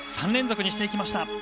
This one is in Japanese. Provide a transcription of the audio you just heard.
３連続にしていきました。